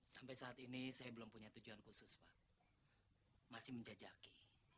sampai saat ini saya belum punya tujuan khusus pak masih menjajaki